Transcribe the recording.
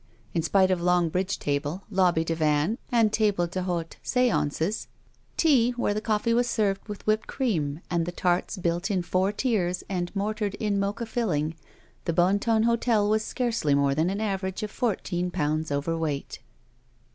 In spite of long bridge table, lobby divan, and table d'hdte stances, "tea" where the coffee was served with whipped cream and the tarts built in four tiers and mortared in mocha filling, the Bon Ton hotel was scarcely more than an average of fourteen pounds overweight.